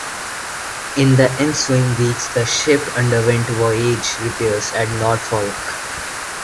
In the ensuing weeks, the ship underwent voyage repairs at Norfolk.